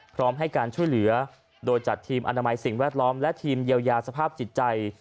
พร้อมให้การช่วยเหลือโดยจัดทีมอนามัยสิ่งแวดล้อมและทีมเยียวยาสภาพจิตใจ